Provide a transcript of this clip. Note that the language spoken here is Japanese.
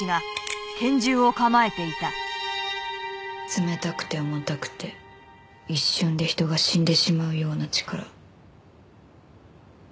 冷たくて重たくて一瞬で人が死んでしまうような力。